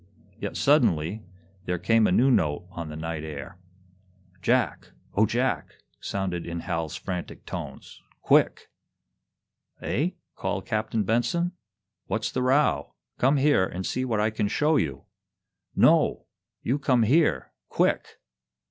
Yet, suddenly, there came a new note on the night air. "Jack, O Jack!" sounded in Hal's frantic tones. "Quick!" "Eh?" called Captain Benson. "What's the row? Come here and see what I can show you!" "No! You come here quick!"